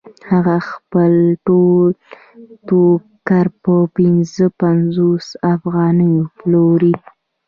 هغه خپل ټول ټوکر په پنځه پنځوس افغانیو پلوري